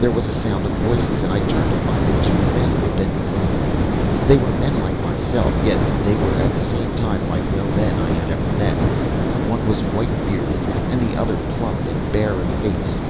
"There was a sound of voices, and I turned to find that two men were bending over me. They were men like myself, yet they were at the same time like no men I had ever met! One was white bearded and the other plump and bare of face.